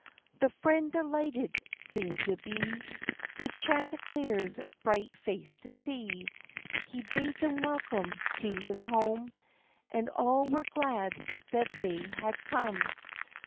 75 The friend delighted seemed to be Good Chanticleer's bright face to see; He bade them welcome to his home, And all were glad that they had come.